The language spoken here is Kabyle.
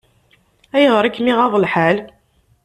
Ayɣer i kem-iɣaḍ lḥal?